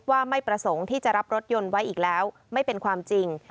ว่าไม่ประสงค์ที่จะรับรถยนต์ไว้อีกแล้วไม่เป็นความจริง